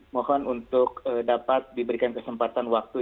mohon untuk dapat diberikan kesempatan waktu